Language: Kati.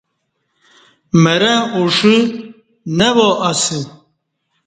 مرں اُݜہ نہ وااسہ